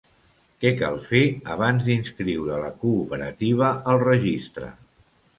Què cal fer abans d'inscriure la cooperativa al registre?